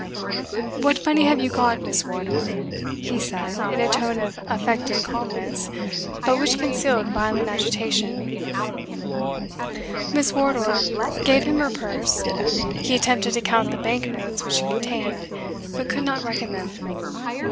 "What money have you got, Miss Wardour?" he said, in a tone of affected calmness, but which concealed violent agitation. Miss Wardour gave him her purse; he attempted to count the bank notes which it contained, but could not reckon them.